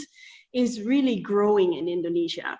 ini benar benar berkembang di indonesia